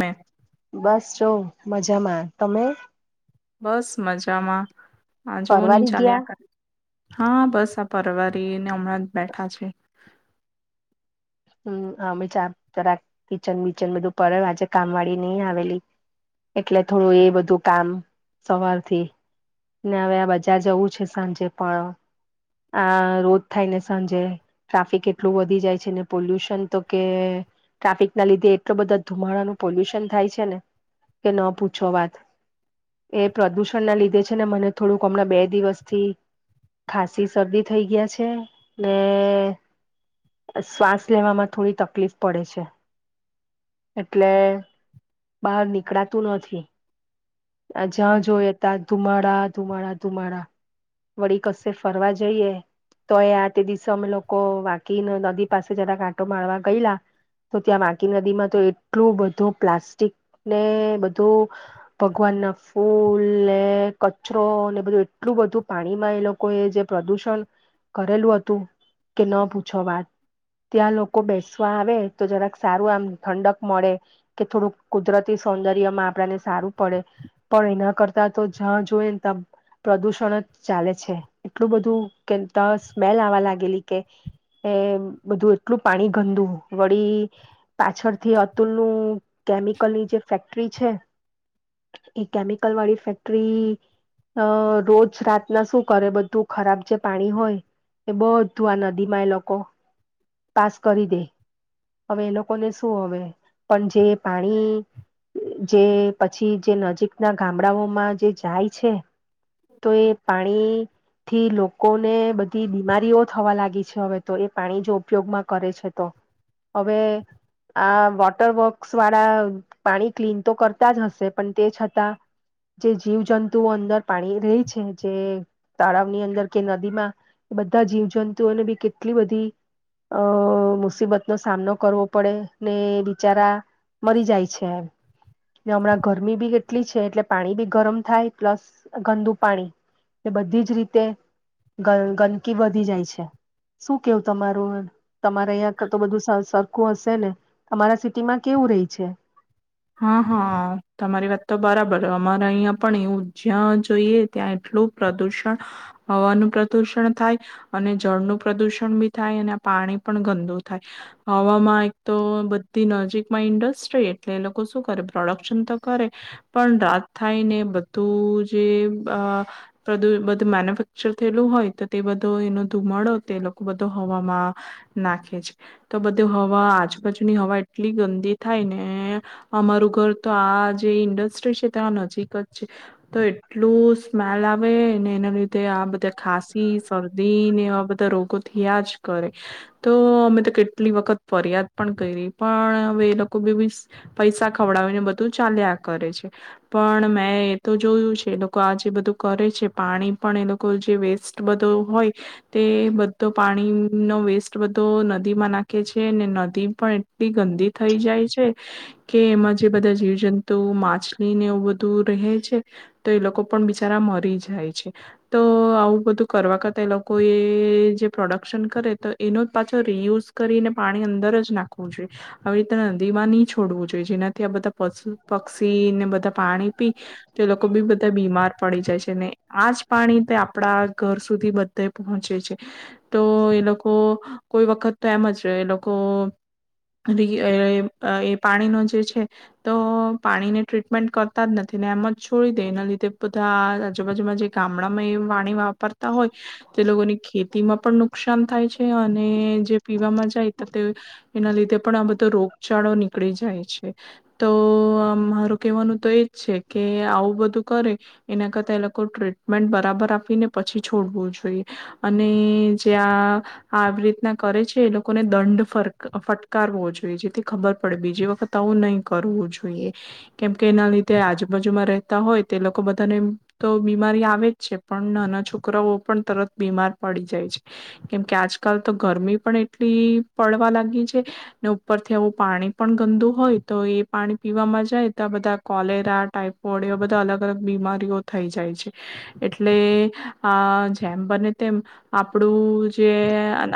મેં બસ છું. મજામાં તમે? બસ મજામાં. હા જોવ ની પરવારી ગયા ચાલ્યા કરે હા બસ પરવારીને હમણાં જ બેઠા છે. હમ અમે ચા તરા કિચન બીચન બધું પર આજે કામ વાળી નહી આવેલી એટલે થોડું એ બધું કામ સવારથી ને અવે આ બજાર જવું છે સાંજે પણ આ રોજ થાયને સાંજે ટ્રાફિક એટલું વધી જાય છે ને પોલ્યુશન તો કે ટ્રાફિકના લીધે એટલો બધા ધુમાડાનું પોલ્યુશન થાય છે ને કે ન પૂછો વાત એ પ્રદુષણના લીધે છે ને મને થોડુંક હમણાં બે દિવસથી ખાસી શરદી થઈ ગયા છે ને શ્વાસ લેવામાં થોડી તકલીફ પડે છે એટલે બહાર નીકળાતું નથી આ જ્યાં જોઈએ તા ધુમાડા ધુમાડા ધુમાડા વળી કસે ફરવા જઈએ તો એ આ તે દિવસે અમે લોકો વાકીને નદી પાસે જરા આટો મારવા ગયેલા તો ત્યાં વાકી નદીમાં તો એટલું બધું પ્લાસ્ટિક ને બધું ભગવાનના ફૂલ ને કચરો ને બધું એટલું બધું પાણીમાં એ લોકો એ જે પ્રદુષણ કરેલું હતું કે ન પૂછો વાત ત્યાં લોકો બેસવા આવે તો જરાક સારું આમ ઠંડક મળે કે થોડુંક કુદરતી સૌંદર્યમાં આપડાને સારું પડે પણ એના કરતા તો જ્યાં જોઈ ને ત્યા પ્રદુષણ જ ચાલે છે એટલું બધું કે તા સ્મેલ આવા લાગેલી કે એમ બધું એટલું પાણી ગંદુ વળી પાછળથી અતુલનુંું કેમિકલની જે ફેક્ટરી છે એ કેમિકલ વાળી ફેક્ટરી રોજ રાતના શું કરે બધું ખરાબ જે પાણી હોય એ બધું આ નદીમાં એ લોકો પાસ કરી દે હવે એ લોકોને શું હવે પણ જે પાણી જે પછી જે નજીકના ગામડાઓમાં જે જાય છે તો એ પાણી થી લોકોને બધી બીમારીઓ થવા લાગી છે હવે તો એ પાણી જો ઉપયોગમાં કરે છે તો હવે આ વોટર વર્ક્સ વાળા પાણી ક્લીન તો કરતા જ હશે પણ તે છતાં જે જીવજંતુઓ અંદર પાણી રહી છે જે તળાવની અંદર કે નદીમાં એ બધા જીવજંતુઓને બી કેટલી બધી અ મુસીબતનોો સામનો કરવો પડે ને બિચારા મરી જાય છે ને હમણાં ગરમી બી કેટલી છે એટલે પાણી બી ગરમ થાય પ્લસ ગંદુ પાણી એ બધી જ રીતે ગ ગંદકી વધી જાય છે શું કેવું તમારું તમારે અહં તો બધું સર લોકો હશે ને તમારા સિટી માં કેવું રહી છે હા હા તમારી વાત તો બરાબર અમારે અહીં પણ એવું જ્યાં જોઈએ ત્યાં એટલું પ્રદુષણ હવાનું પ્રદુષણ થાય અને જળનું પ્રદુષણ બી થાય અને પાણી પણ ગંદુ થાય હવામાં એક તો બધી નજીકમાં ઇન્ડસ્ટ્રી એટલે એ લોકો પ્રોડક્શન તો કરે પણ રાત થાયને બધું જે બધું મેન્યુફેક્ચર થયેલું હોય તો તે બધો એ ધુમાડો તે લોકો બધો હવામાં નાખે છે તો બધું હવા આજુબાજુની હવા એટલી ગંદી થાય ને અમારું ઘર તો આ જે ઇન્ડસ્ટ્રી છે ત્યાં નજીક જ છે તો એટલું સ્મેલ આવે એના લીધે આ બધા ખાંસી શરદી ને એવા બધા રોગોથી આયા જ કરે તો અમે તો કેટલી વખત ફરિયાદ પણ કરી પણ હવે એ લોકો બી પૈસા ખવડાવીને બધું ચાલ્યા કરે છે પણ મેં એ તો જોયું છે એ લોકો આ જે બધું કરે છે પાણી પણ એ લોકો જે વેસ્ટ બધો હોય તે બધો પાણીનો વેસ્ટ બધો નદીમાં નાખે છે ને નદી પણ એટલી ગંદી થઈ જાય છે કે એમાં જે બધા જીવજંતુ માછલીને એવું બધું રહે છે તો એ લોકો પણ બિચારા મરી જાય છે તો આવું બધું કરવા કરતા એ લોકો એ જે પ્રોડક્શન કરે તો એનો પાછો રિયુઝ કરીને પાણી અંદર જ નાખવું જોઈએ આવી રીતે દ ન છોડવું જો જેનાથી આ બધા પુ પક્ષીને બધા પાણી પી તો એ લોકો બી બધા બીમાર પડી જાય છે ને આજ પાણી આપણા ઘર સુધી બધ પહોંચે છે તો એ લોકો કોઈ વખત તો એમ જ એ લોકો એ પાણીનો જે છે તો પાણીને ટ્રીટમેન્ટ કરતા જ નથી ને એમ જ છોડી દે એને લીધે ત આજુબાજુમાં જે ગામડામાં એ વાણી વાપરતા હોય તે લોકોની ખેતી તેમાં પણ નુકસાન થાય છે અને જે પીવામાં જાય તો તે એના લીધે પણ આ બધો રોગચાળો નીકળી જાય છે. તો મારું કેહેવાનું તો એજ છે કે આવું બધું કરે એના કરતા એ લોકો ટ્રીટમેન્ટ બરાબર આપીને પછી છોડવું જોઈએ અને જ્યાં આવી રીતના કરે છે એ લોકોને દંડ ફટકારવો જોઈએ જેથી ખબર પડે બીજી વખત ું નહી કરવું જોઈએ કેમકે એના લીધે આજુબાજુમાં રહેતા હોય તે લોકો બધાને તો બીમારી આવે જ છે પણ નાના છોકરાઓ પણ તરત બીમાર પડી જાય છે કેમકે આજકાલ તો ગરમી પણ એટલી પડવા લાગી છે ને ઉપરથી આવું પાણી પણ ગંદુ હોય તો એ પાણી પીવામાં જાય તો બધા કોલેરા ટાઈપ પડે બધા અલગ અલગ બીમારીઓ થઈ જાય છે એટલે અ જેમ બને તેમ આપણું જે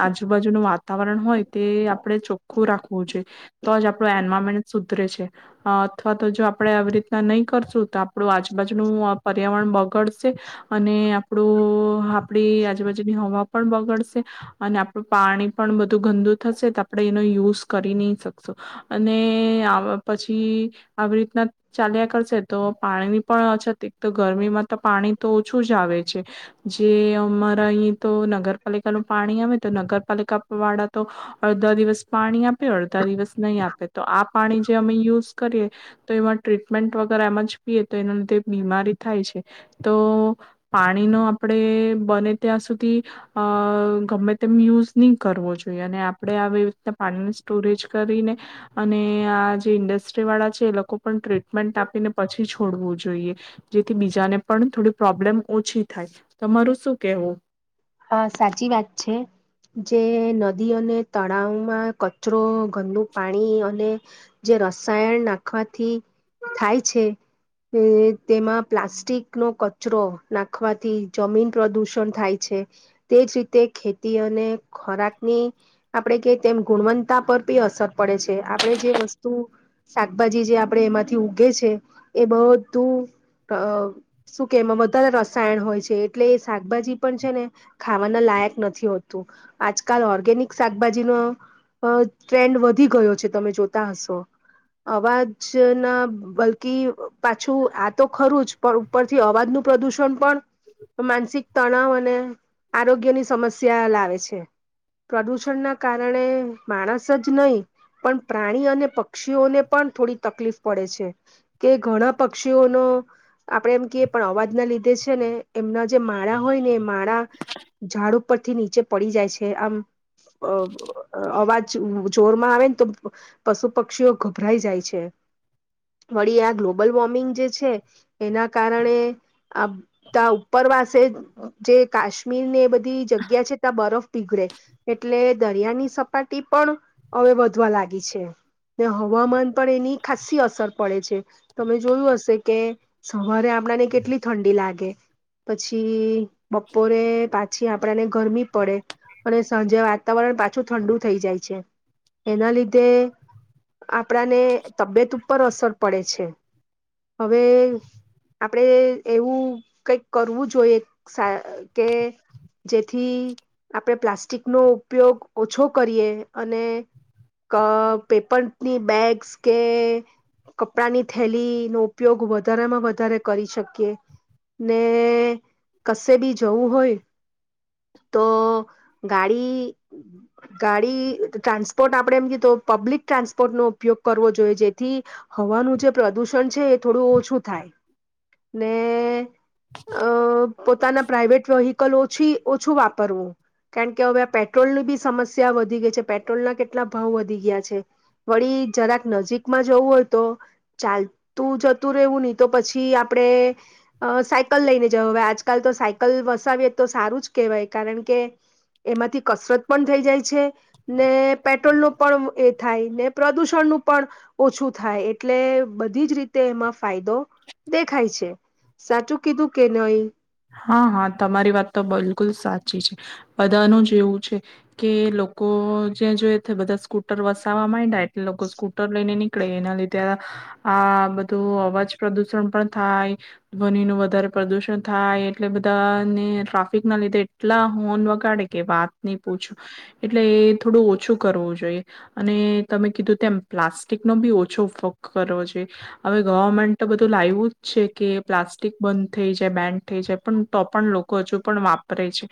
આજુબાજુનું વાતાવરણ હોય તે આપડે ચોખ્ખું રાખવું જોઈએ તો જ આપડ એ મ સુધરે છે અથવા તો જો આપડે આવી રીતના નહીં કરશું તો આપણું આજુબાજુનું પર્યાવરણ બગડશે અને આપણું આપડી આજુબાજુની હવા પણ બગડશે અને આપણું પાણી પણ બધું ગંદુ થશે તો આપડે એનો યુઝ કરી નહી શકશું અને પછી આવી રીતના ચાલ્યા કરશે તો પાણીની પણ અછતી તો ગરમીમાં તો પાણી તો ઓછું જ આવે છે જે અમારા અહીં તો નગરપાલિકાનું પાણી આવે તો નગરપાલિકા વાળા તો અડધા દિવસ પાણી આપે અડધા દિવસ નહીં આપે તો આ પાણી જે અમે યુઝ કરીએ તો, એમાં ટ્રીટમેન્ટ વગર એમ જ પીએ તો એના લીધે બીમારી થાય છે. તો પાણીનો આપણે બને ત્યાં સુધી અ ગમે તેમ યુઝ નહી કરવો જોઈએ. અને આપણે આવી રીતના પાણીને સ્ટોરેજ કરીને, અને આ જે ઇન્ડસ્ટ્રી વાળ છે એ લોકો પણ ટ્રીટમેન્ટ આપીને પછી છોડવું જોઈએ જેથી બીજાને પણ થોડી પ્રોબ્લેમ ઓછી થાય તમારું શું કેવું હા સાચી વાત છે જે નદી અને તળાવમાં કચરો ગંદુ પાણી અને જે રસાયણ નાખવાથી થાય છે તેમાં પ્લાસ્ટિક નો કચરો નાખવાથી જમીન પ્રદુષણ થાય છે તેજ રીતે ખેતી અને ખોરાકની આપણેે કે તેમ ગુણવત્તા પર બી અસર પડે છે આપણેે જે વસ્તુ શાકભાજી જે આપણે એમાંથી ઉગે છે એ બધું શું કેમાં વધારે રસાયણ હોય છે એટલે એ શાકભાજી પણ છે ને ખાવાના લાયક નથી હોતું આજકાલ ઓર્ગેનિક શાકભાજી ન ટ્રેન્ડ વધી ગયો છે તમે જોતા હશો અવાજ ના બલકી પાછું આ તો ખરું જ પણ ઉપરથી અવાજનુંું પ્રદુષણ પણ માનસિક તણાવ અને આરોગ્યની સમસ્યા લાવે છે પ્રદૂષણ ના કારણે માણસ જ નહીં પણ પ્રાણી અને પક્ષીઓને પણ થોડી તકલીફ પડે છે કે ઘણા પક્ષીઓનો આપણેે એમ ક પણ અવાજ ના લીધે છે ને એમના જે માળા હોય ને એ માળા ઝાડ ઉપરથી નીચે પડી જાય છે આમ અવાજ જોરમાં આવે ને તો પશુ પક્ષીઓ ગભરાઈ જાય છે વળી આ ગ્લોબલ વોર્મિંગ જે છે એના કારણે આધ ઉપરવાસે જે કાશમી કાશ્મીર ને એ બધી જગ્યા છે ત્યાં બરફ પીગડે એટલે દરિયાની સપાટી પણ હવે વધવા લાગી છે ને હવામાન પણ એની ખાાસસી અસર પડે છે તમે જોયું હશે કે સવારે આપણાને કેટલી ઠંડી લાગે પછી બપોર પાછી આપણને ગરમી પડે અને સાંજે વાતાવરણ પાછું ઠંડુ થઈ જાય છે એના લીધે આપણાને તબિયત ઉપર અસર પડે છે હવે આપણેે એવું કઈક કરવું જોઈએ કે જેથી આપણે પ્લાસ્ટિક નો ઉપયોગ ઓછો કરીએ અને પેપરની બેગ્સ કે કપડાની થેલી નો ઉપયોગ વધારેમાં વધારે કરી શકીએ ને કશે બી જવું હોય તો ગાડી ગાડી ટ્રાન્સપોર્ટ આપણેે એમ કીધું પબ્લિક ટ્રાન્સપોર્ટ નો ઉપયોગ કરવો જોઈએ જેથી હવાનું જે પ્રદુષણ છે એ થોડું ઓછું થાય ને અ પ્રાવેટ વહી સાલ ઓછી ઓછું વાપરવું કારણ કે હવે પેટ્રોલ ની બી સમસ્યા વધી ગઈ છે પેટ્રોલના કેટલા ભાવ વધી ગયા છે વળી જરાક નજીકમાં જવું હોય તો ચાલતું જતું રહેવું નહી તો પછી આપણે સાયકલ લઈને જવ હ આજકાલ તો સાયક કલ વસાવીએ તો સારું જ કહેવાય કારણ કે એમાંથી કસરત પણ થઈ જાય છે ને પેટ્રોલ નું પણ એ થાય ને પ્રદુષણ નું પણ ઓછું થાય એટલે બધી જ રીતે એમાં ફાયદો દેખાય છે સાચું કીધું કે નહી હા હા તમારી વાત તો બિલકુલ સાચી છે બધાનું જ એવું છે કે લોકો જ્યા જોઈ બધા સ્કૂટર વસવા માંય ડાય લોકો સ્કુટર લઈને એના લીધે આ બધું અવાજ પ્રદુષણ પણ થાય ધ્વિ નું વધારે પ્રદુષણ થાય એટલે બધાને ટ્રાફિક ના લીધે એટલા હોર્ન વગાડે કે વાત નહી પૂછું એટલે એ થોડું ઓછું કરવું જોઈએ અને તમે કીધું તેમ પ્લાસ્ટિક નો બી ઓછો ફક કરવો જોઈએ હવે ગવર્મેન્ટ તો બધું લાવું જ છે કે પ્લાસ્ટિક બંધ થઈ જાય બેન્ થ જાય પણ તો પણ લોકો હજુ પણ વાપરે છે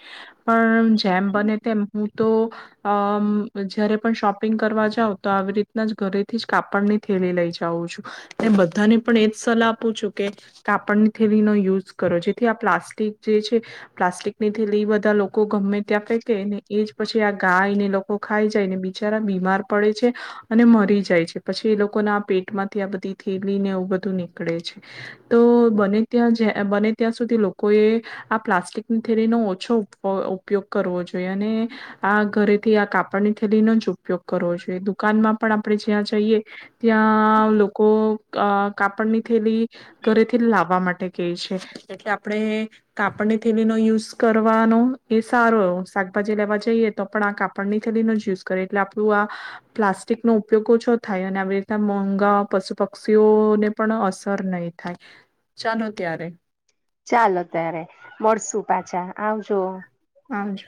પણ જેમ બને તેમ તો અમ જયારે પણ શોપિંગ કરવા જાાવ તો આવી રીતના જ ઘરેથી જ કાપડની થેલી લઈ જાઉં છું બધાને પણ એજ સલાહ આપું છું કે કાપડની થેલીનોો યુઝ કરો જે થી આ પ્લાસ્ટિક જે છે પ્લાસ્ટિક ની થી લઈ બધા લોકો ગમે. ત્યાં ફેંકે ને એ જ પછી આ ગાયને લોકો ખાઈ જાયને બિચારા બીમાર પડે છે અને મરી જાય છે પછી એ લોકોના આ પેટ માંથી આ બધી થેલીને એવું બધું નીકળે છે તો બને ત્યાં બને ત્યાં સુધી લોકોએ આ પ્લાસ્ટિકની થેરીનોો ઓછો ઉપયોગ કરવો જોઈએ જો અને આ ઘરે થી આ કાપડની થેલીનો જ ઉપયોગ કરવો જોઈએ દુકાનમાં પણ આપણે જ્યાં જઈએ ત્યાં લોકો કાપડની થેલી ઘરેથી લાવવા માટે ક છે હ એટલે આપણે કાપડની થેલીનોો યુઝ કરવાનો એ સારો એ શાકભાજી લેવા જઈએ તો પણ આ કાપડની થેલીનોો જ યુઝ કરીએ એટલે આપણું આ પ્લાસ્ટિક નો ઉપયોગ ઓછો થાય અને આવી રીતના મોંઘા પશુ પક્ષીઓને પણ અસર નહી થાય ચાલો ત્યારે ચાલો ત્યારે મળશુ પાછા આવજો હજ